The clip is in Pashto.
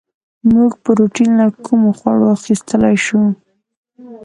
موږ پروټین له کومو خوړو اخیستلی شو